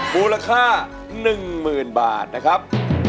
มูลค่า๑๐๐๐บาทนะครับ